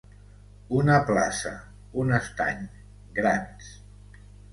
Una plaça, un estany, grans.